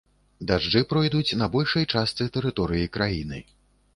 Дажджы пройдуць на большай частцы тэрыторыі краіны.